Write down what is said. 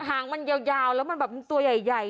หางมันยาวแล้วมันแบบตัวใหญ่